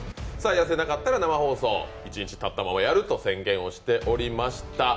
痩せなかったら生放送、一日立ったままやると宣言しておりました。